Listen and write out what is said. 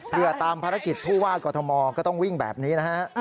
เพื่อตามภารกิจผู้ว่ากรทมก็ต้องวิ่งแบบนี้นะฮะ